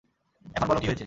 এখন বলো কি হয়েছে?